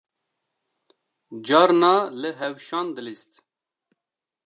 Carna li hewşan dilîst